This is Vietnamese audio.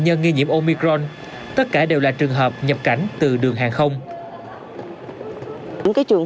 nhân nghi nhiễm omicron tất cả đều là trường hợp nhập cảnh từ đường hàng không những cái trường